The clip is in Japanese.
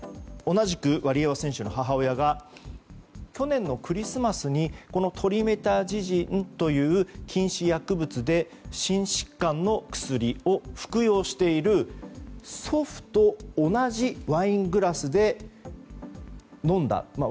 同じく、ワリエワ選手の母親が去年のクリスマスにこのトリメタジジンという禁止薬物で心疾患の薬を服用している祖父と同じワイングラスで飲んだと。